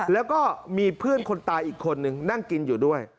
แล้วก็มีเพื่อนคนตายอีกคนนึงนั่งกินอยู่ด้วย